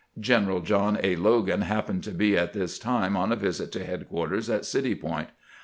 Greneral Jolin A. Logan happened to be at tliis time on a visit to headquarters at City Point.